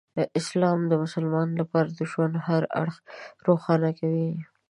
اسلام د مسلمانانو لپاره د ژوند هر اړخ روښانه کوي.